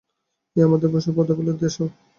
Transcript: এ আমাদের বৈষ্ণব-পদাবলীর দেশ।